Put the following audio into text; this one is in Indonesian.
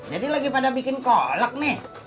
jadi lagi pada bikin kolek nih